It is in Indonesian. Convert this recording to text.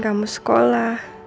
mari bu yasa